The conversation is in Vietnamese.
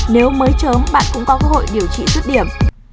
nếu mới trớm bạn cũng có cơ hội điều trị xuất điểm